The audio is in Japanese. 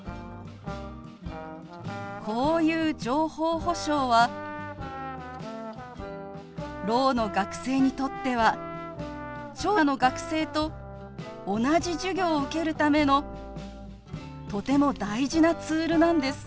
こういう情報保障はろうの学生にとっては聴者の学生と同じ授業を受けるためのとても大事なツールなんです。